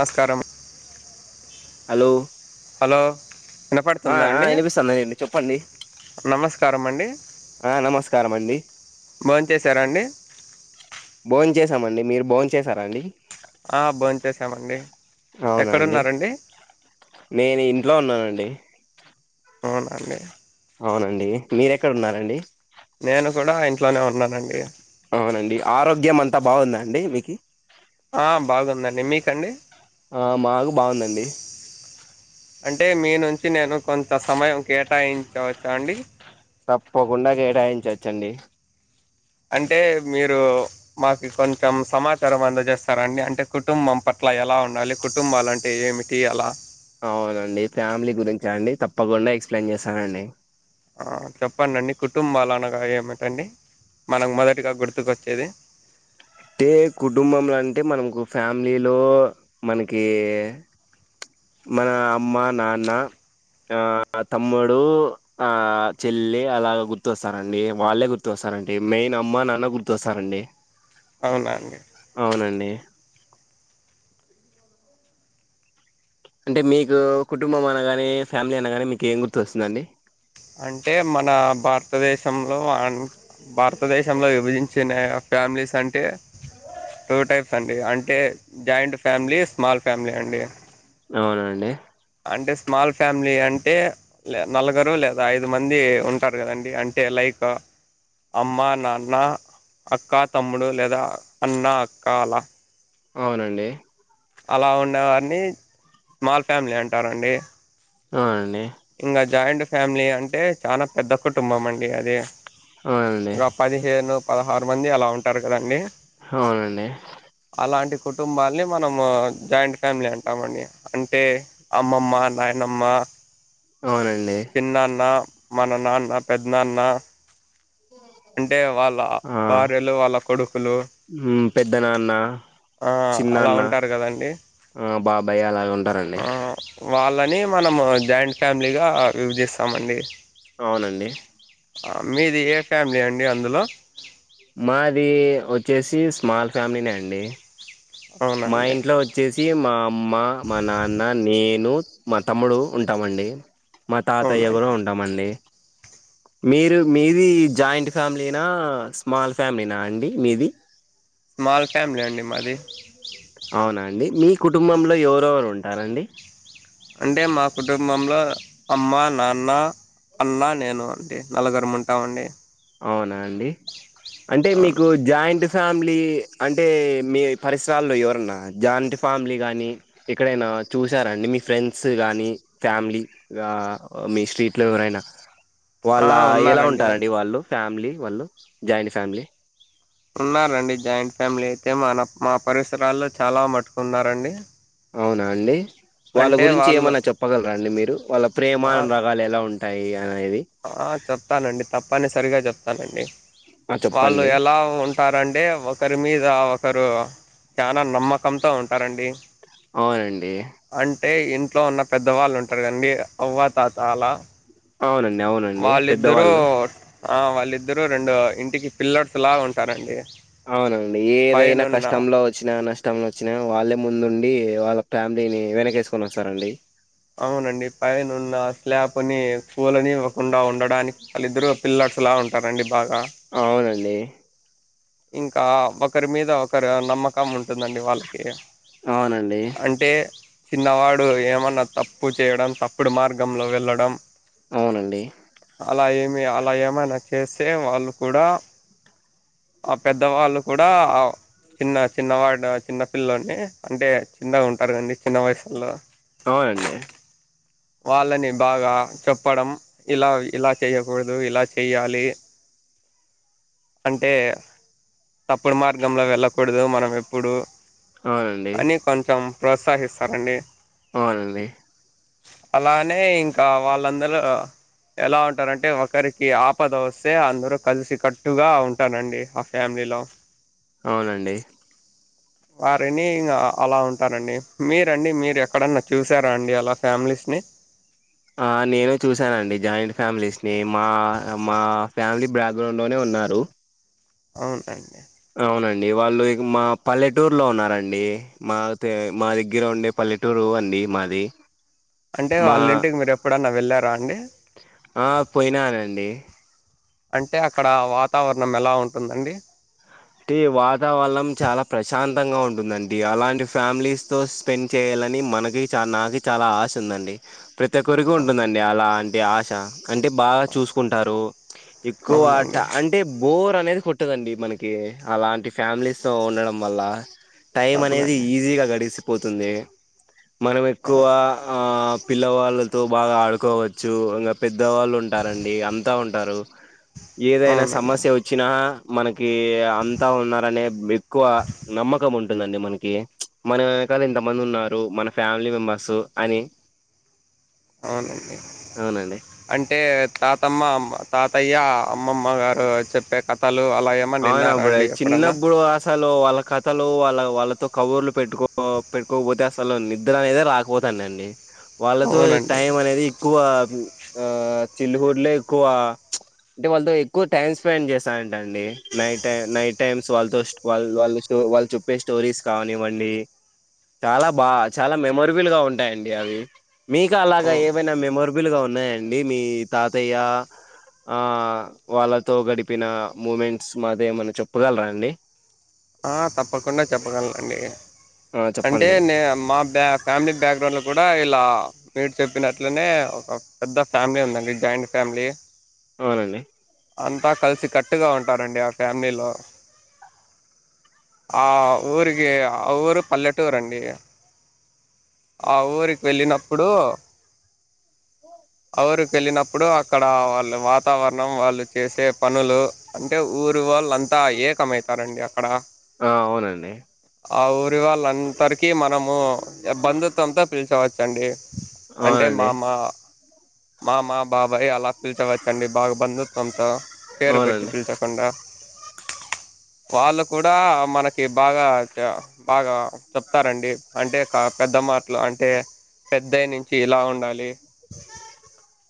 మస్కారం hello hello ఆ వినపడుతుందా ఆ అండి వినిపిస్తుందండి చెప్పండి నమస్కారం అండి ఆ నమస్కారం అండి. భోంచేశారా అండి భోంచేస్ సామండి మీరు భోంచేసారా అండి ఆ భోంచేశామండి అవునండి ఎక్కడున్నారండి డి అవునండి అవునండి మీరెక్కడ ఉన్నారండి నేను కూడా ఇంట్లోనే ఉన్నానండి అవునండి ఆరోగ్యం అంతా బాగుందా అండి మీకి ఆ బాగుందండి మీకండి ఆ మాకు బాగుందండి అంటే మీ నుంచి నేను కొంత సమయం కేటాయించవచ్చా అండి తప్పకుండా కేటాయించొచ్చండి అంటే మీరు మాకు కొంచెం సమాచారం అందజేస్తారా అండి అంటే కుటుంబం పట్ల ఎలా ఉండాలి, కుటుంబాలు అంటే ఏమిటి ఎలా అవునండి ఫ్యామిలీ గురించ అండి తప్పకుండా ఎక్స్ప్లెయిన్ చేస్తానండి చెప్పండండి కుటుంబాలు అనగా ఏమిటండి. మనకు మొదటిగా గుర్తుకొచ్చేది అంటే కుటుంబంలో అంటే మనకు ఫ్యామిలీలో మనకి మన అమ్మ, నాన్న ఆ తమ్ముడు ఆ చెల్లి అలాగ గుర్తొస్తారండి వాళ్ళే గుర్తొస్తారండి మెయిన్ అమ్మ నాన్న గుర్తొస్తారండి అవునా అండి అవునండి అంటే మీకు కుటుంబం అనగానే ఫ్యామిలీ అనగానే మీకు ఏం గుర్తొచ్చిందండి అంటే మన భారతదేశంలో భారతదేశంలో ఇ విభజించిన ఫ్యామిలీస్ అంటే టూ టైప్ అండి అంటే జాయింట్ ఫ్యామిలీ స్మాల్ ఫ్యామిలీ అండి అవునండి అంటే స్మాల్ ఫ్యామిలీ అంటే నలుగురు లేదా ఐదు మంది ఉంటారు కదండి అంటే లైక్ అమ్మ నాన్న అక్క తమ్ముడు లేదా అన్న అక్క అలా. అవునండి అలా ఉండేవారిని స్మాల్ ఫ్యామిలీ అంటారండి. అ అండి ఇంకా జాయింట్ ఫ్యామిలీ అంటే చాలా పెద్ద కుటుంబం అండి అది. అవునండి గ పది హేను పదహారు మంది అలా ఉంటారు కదండి. అవునండి. కుటుంబాలని మనము జాయింట్ ఫ్యామిలీ అంటాంమండి అంటే అమ్మమ్మ నాయనమ్మ అవునండి చిన్నాన్నా మన నాన్న పెద్ద నాన్న. అంటే వాళ్ళ ఆ భార్యలు వాళ్ళ కొడుకులు మ్ పెద్ద నాన్న ఆ అలా చిన్నాన్న ఉంటారు కదండి ఆ బాబాయ్ అలాగ ఉంటారండి ఆ వాళ్ళని మనము జాయింట్ ఫ్యామిలీగా విభజిస్తామండి. అవునండి మీది ఏ. ఫ్యామిలీ అండి అందులో. మాది వచ్చేసి స్మాల్ ఫ్యామిలీ నే అండి మా అవునండి ఇంట్లో వచ్చేసి మా అమ్మ మా నాన్న నేను. మా తమ్ముడు ఉంటామండి. మా తాతయ్య గుడ అవునండి ఉంటామండి మీరు మీది జాయింట్ ఫ్యామిలీనా స్మాల్ ఫ్యామిలీనా అండి మీది. స్మాల్ ఫ్యామిలీ అండి మాది అవునా అండి మీ కుటుంబంలో ఎవరెవరు ఉం రండి అంటే మా కుటుంబంలో అమ్మ నాన్న అన్న నేను అంటే నలుగురు ఉంటామండి అవునా అండి. అంటే అవును మీకు జాయింట్ ఫ్యామిలీ అంటే మీ పరిసరాల్లో ఎవరన్నా జాయింట్ ఫ్యామిలీ గాని ఎక్కడైనా చూసార అండి మీ ఫ్రెండ్స్ గాని ఫ్యామిలీ ఆ మీ స్ట్రీట్ లో ఎవరైనా వాళ్ళ ఆ ఎలా ఉన్నారండి ఉంటారండి వాళ్ళు ఫ్యామిలీ వాళ్ళు జాయింట్ ఫ్యామిలీ ఉన్నారండి జాయింట్ ఫ్యామిలీ అయితే మన మా పరిసరాల్లో చాలా మట్టుకున్నారండి. అవునా అండి వాళ్ళ అంటే గురించి వాళ్ళు ఏమన్నా చెప్పగలరాండి మీరు వాళ్ళ ప్రేమ ఆ అనురాగాలు ఎలా ఉం అయ్య ఆ చెప్తానండి తప్పనీ సరిగా చెప్ ప్తానండి ఆ వాళ్ళు చెప్పండి ఎలా ఉంటారంటే ఒకర్ ఒకరి మీద ఒకరు చానా నమ్మకంతో ఉంటారండి అవునండి అంటే ఇంట్లో ఉన్న పెద్దవాళ్ళు ఉంటార్గా అండి అవ్వా తాత అలా అవునండి అవునండి వాళ్ళిద్దరూ పెద్దవాళ్ళు ఆ వాళ్ళిద్దరు రెండు ఇంటికి పిల్లర్స్ లాగ ఉంటారండి అవునండి ఏదైనా పైనున్న కష్టంలో వచ్చినా నష్ట ష్టంలో వచ్చిన వాళ్ళే ముందుండి వాళ్ళ ఫ్యామిలీని వెనకేసుకొని వస్తారండి అవునండి పైన ఉన్న స్లాబ్ని కూల్నివకుండా ఉండడానికి వాళ్ళిద్దరు పిల్లర్స్లా ఉంటారండి బాగా అవునండి ఇంకా ఒకరి మీద ఒకరు నమ్మకం ఉం ఉంటుందండి వాళ్ళకి అవునండి అంటే చిన్నవాడు ఏమన్నా తప్పు చేయడం తప్పుడు మార్గంలో వెళ్ళడం అవునండి అలా ఏమి అలా ఏమైనా చేస్తే వాళ్ళు కూడా ఆ పెద్దవాళ్ళు కూడా ఆ చిన్న చిన్నవాడు చిన్న పిల్లని అంటే చిన్నగా ఉంటారుండి చిన్న వయసులో అవునండి వాళ్ళని బాగా చెప్పడం ఇలా ఇలా చెయకూడదు ఇలా చెయ్యాలి అంటే తప్పుడు మార్గంలో వెళ్ళకూడదు మనం ఎప్పుడు అవునండి అని కొంచంచెం ప్రోత్సహిస్తారండి అవునండి అలానే ఇంకా వాళ్ళందరూ ఎలా ఉంటారంటే ఒకరికి ఆపద వస్తే అందరుూ కలిసి కట్టుగా ఉంటారంండి ఆ ఫ్యామిలీలో అవునండి వారిని ఇంకా అలా ఉంటారండి మీరండి మీరు ఎక్కడన్నా చూసారా అండి అలా ఫ్యామిలీస్ని ఆ నేను చూసానండి జాయింట్ ఫ్యామిలీస్ ని మా మా ఫ్యామిలీ బ్యాక్గ్రౌండ్ లోనే ఉన్నారు అవునండి అవునండి వాళ్ళు మా పల్లెటూరులో ఉన్నారంండి మా మా దగ్గర ఉండే పల్లెటూరు అండి మాది అంటే మా వాళ్ళి ఇంటికి మీరు ఎప్పుడన్నా వెళ్ళారా అండి ఆ పోయినానండి అంటే అక్కడ వాతావరణం ఎలా ఉంటుందండి టి వాతావరణం చాలా ప్రశాంతంగా ఉంటుందండి అలాంటి ఫ్యామిలీస్ తో స్పెండ్ చేయాలని మనకి చ నాకు చాలా ఆశ ఉందండి ప్రతి ఒక్కరికి ఉంటుందండి అలా అంటి ఆశ కంటే బాగా చూసుకుంటారు ఎక్కువ ట అవునండి అంటే బోర్ అనేది కొ ట దండి మన కి అలాంటి ఫ్యామిలీస్ తో ఉండడం వల్ల టైం అనేది అవునండి ఈజీ గా గడిసి పోతుంది మనం ఎక్కువ ఆ పిల్లవాళ్ళతో బాగా ఆడుకోవచ్చు ఇంకా పెద్దవాళ్ళు ఉంటారండి అంతా ఉంటారు ఏదైనా అవునండి సమస్య వచ్చినా మనక్ కీ అంతా ఉన్నారనే ఎక్కువ నమ్మకం ఉన్ టుందండి మనకి మన ఎక్కడన్నా ఇంతమంది ఉన్నారు మన ఫ్యామిలీ మెంబర్స్ అని అవునండి అవునండి అంటే తాతమ్మ అమ్మ తాతయ్య అమ్మమ్మ గారు చెప్పే కథల్ అవును అప్పుడు అయి చిన్నప్పుడు అసలు వాళ్ళ కథలు వాళ్ళ వాళ్ళ తో కబూర్లు పెట్టుకో పెట్టుకోకపోతే అసలు నిద్ర అనేది రాకపోతాండే అండి వాళ్ళతో అవునండి టైం అనేది ఎక్కువ ఆ చిల్లు హుడ్లే ఎక్కువ అంటే వాళ్ళతో ఎక్కువ టైమ్ స్పెండ్ చేస్తాంటి అండి నైట్ టై నైట్ టైమ్స్ వాళ్ళతో వాళ్ వాళ్ళు వాళ్ళు స్టో వాళ్ళు చెప్పే స్టోరీస్ కానివ్వండి చాలా బా చాలా మెమొరబుల్ గా ఉంటాయండి అవి మీకు అలాగా అవును ఏవైనా మెమొరబుల్ గా ఉన్నాయ అండి మీ తాతయ్య ఆ వాళ్ళతో గడిపిన మూమెన్ ట్స్ మాతో ఏమన్నా చెప్పగలరా అండి ఆ తప్పకుండా చెప్పగలనండి ఆ అంటే చెప్పండి నే మా బ్యా ఫ్యామిలీ బ్యాక్ గ్రౌండ్ లో కూడా ఇలా మీరు చెప్పినట్లనే ఒక పెద్ద ఫ్యామిలీ ఉందండి జాయింట్ ఫ్యామిలీ అవునండి అంతా కలిసి కట్ ట్టుగా ఉంటారండి ఆ ఫ్యామిలీలో ఆ ఊరికి ఆ ఊరు పల్లెటూరండి ఆ ఊరికి వెళ్ళినప్పుడు ఊరుకు వెళ్ళినప్పుడు అక్కడ వాళ్ళు వాతావరణం వాళ్ళు చేసే పనులు అంటే ఊరు వాళ్ళు అంతా ఏకమైతారండి అ ఆ అవునండి అవుర్ రి వాళ్లు అంతరికీ మనము బంధుత్వంతో పిల్చవ చండి అంటే అవునండి మామ మామ బా బయ్ అలా పిల్చవచ్చండి బాగా బంధుత్వంతో పేరు పెట్టి అవునండి పిల్చకుండా వాళ్ళు కూడా మనకి బాగా బాగా చెప్తారండి అంటే పెద్ద మాటలు అంటే పెద్దయి నుంచి ఇలా ఉండాలి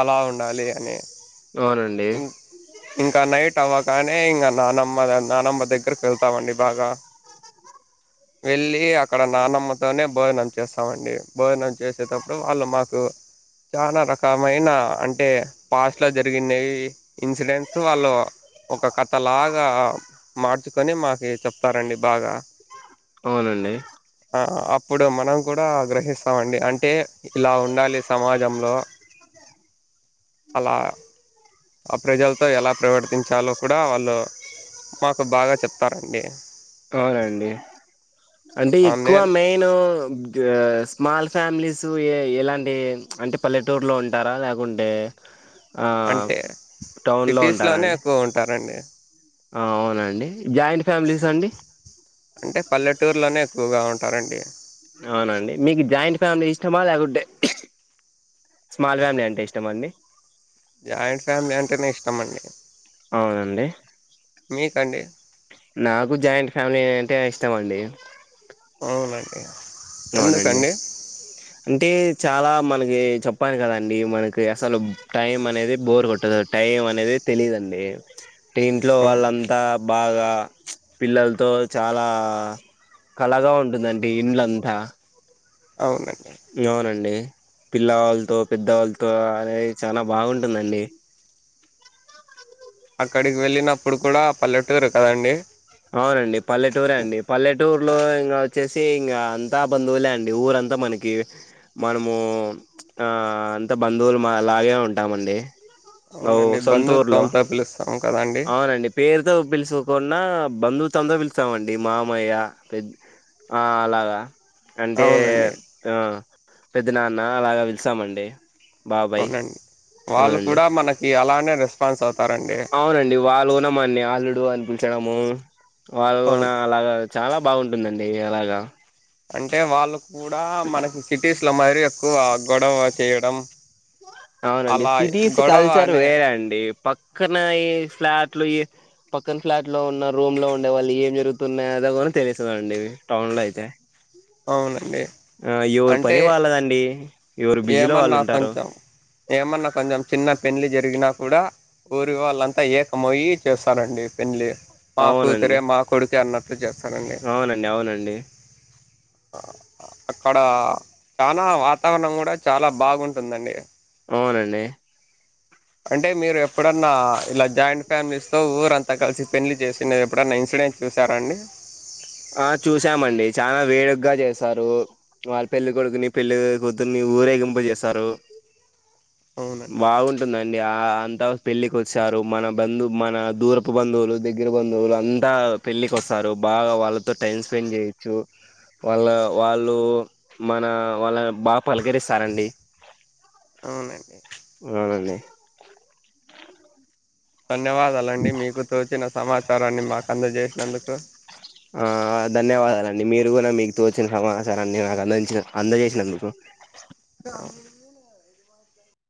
అలా ఉండాలి అని అవునండి ఇంకా నైట్ అవ్వగా కానీ ఇంకా నానమ్మ నానమ్మ దగ్గరకి వెళ్తామండి బాగా వెళ్ళి అక్కడ నానమ్మతోనే భోజనం చేస్తామండి భోజనం చేసేటప్పుడు వాళ్ళు మాకు చాలా రకమైన అంటే ఫాస్ట్ ల జరిగిండేవి ఇన్సిడెంట్లు వాళ్ళు ఒక కథలాగా బాగా మార్చుకొని మాకి చెప్తారండి బాగా అవునండి ఆప్ ఇప్పుడు మనం కూడా గ్రహిస్తామండి అంటే ఇలా ఉండాలి సమాజంలో అలా ఆ ప్రజలతో ఎలా ప్రవర్తించాలో కూడా వాళ్ళు మాకు బాగా చెప్తారండి అవునండి అంటే ఎక్కువ నేను మెయిన్ ఊ స్మాల్ ఫ్యామిలీసు ఏ ఎలాంటి అంటే పల్లెటూరులో ఉంటారా లేకుంటే ఆ అంటే టౌన్లో సిటీస్ ఉంటారా లోనే అండి ఎక్కువ ఉంటారండి అవునండి జాయింట్ ఫ్యామిలీస్ అండి అంటే పల్లెటూరులోనే ఎక్కువగా ఉంటారండి అవునండి మీకు జాయింట్ ఫ్యామిలీ ఇష్టమా లేకుంటే స్మాల్ ఫ్యామిలీ అంటే ఇష్టం అండి జాయింట్ ఫ్యామిలీ అంటేనే ఇష్టం అండి అవునండి మీ కండి నాకు జాయింట్ ఫ్యామిలీ అంటేనే ఇష్టం అండి ఎ [unintelligible] అవునండి అంటే చాలా మనకి చెప్పాలి కదండి మనకి అసలు టైం అనేది బోర్ కొట్టదు టైం అనేది తెలీదండి టె ఇంట్లో అవును వాళ్ళంతా బాగా చ పిల్లలతో చాలా కలగా ఉంటుందంటడి ఇండ్లం తా అవునం అవునండి పిల్లావాళ్ళతో, పెద్దవాళ్ళతో అనేది చానా బాగుంటుందండి. అక్కడికి వెళ్ళినప్పుడు కూడా పల్లెటూరు కదండి. అవునండి. పల్లెటూరే అండి పల్లెటూరు లో ఇంకా వచ్చేస్ సి ఇంకా అంతా బంధువులే అండి ఊరంతా మనకి మనము ఆ అంత బంధువులులాగే ఉంటామండి. ఓ అవునండి సొంతూర్ లో బంధుత్వంతో పిలుస్తాం కదండి అవునండి. పేరుతో పిలుసుకున్నా బంధుత్వంతో పిలుస్తామండి. మామయ్య పెద్ద ఆ అలాగా అంటే అవునండి ఆ పెద్ద నాన్న అలాగా పిలిస్తామండి. అవునండి. వాళ్ళు కూడా మనకి అలానే రెస్ [unintelligible] అవునండి. వాళ్ళు కూడా మనని అల్లుడు అని పిల్చడము వాళ్ళ కూడా అవును అలాగే చాలా బాగుంటుందండి. అయ్యాలాగా అంటే వాళ్ళు కూడా మనకి సిటీస్ ఇట్ల [unintelligible] ఎక్కువ గొడవ చేయడం అవునండి. అలా సిటీస్ గొడవ కల్చర్ అనే వేరే అండి. ఎక్కనైనా ఈ ఫ్లాట్లు ఈ పక్కన ఫ్లాట్ లో ఉన్న రూమ్ లో ఉండే వాళ్ళు ఏం జరుగుతున్నాయి. అన్నది కూడా తెలిసందండి. టౌన్ లో అయితే అవునండి. ఆ ఎవరి అంటే పని వాళ్ళదండి ఎవరు బిజీలో వాళ్ళు ఏమన్నా ఉంటారు కొంచెం ఏమన్నా కొంచెం చిన్న పెళ్లి జ తెగినా కూడా ఊరి వాళ్ళంతా ఏకమైయి చేస్తారండి. పెళ్లి మా అవునండి కూతరే మా కొడుకే అన్నట్ అవునండి అవునండి అక్కడ చాలా వాతావరణం కూడా చాలా బాగుంటుందండి. అవునండి. అంటే మీరు ఎప్పుడన్నా ఇలా జాయింట్ ఫ్యామిలీస్ తో ఊరంతా కలిసి పెళ్లి చేసిన ఎప్పుడన్నా ఇన్సిడెంట్ చూసారండి. వేడుకాంగా చేస్తారు. వాళ్ళ పెళ్లి కొడుకుని పెళ్ళి కూతురిని ఊరేగింపు చేస్తారు. అవునండి బాగుంటుందండి. ఆ అంతా పెళ్ళికి వచ్చారు. మన బంధు మన దూరపు బంధువులు దగ్గర బంధువులు అంతా పెళ్ళికి వస్తారు. బాగా వాళ్ళ టైమ్ స్పెండ్ చేయొచ్చు. వాళ్ళ వాళ్ళు మన వాళ్ళని బాగా పలకరిస్తారండి. అవునండి. అవునండి. ధన్యవాదాలండి. మీకు తోచిన సమాచారాన్ని మాకు అందజేసి అందుకు ఆ ధన్యవాదాలండి మీరు కూడా మీకు తోచ్చిన సమాచారాన్ని నాకు అందించ అందజేసినందుకు